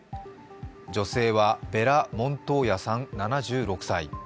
女性はベラ・モントーヤさん７６歳。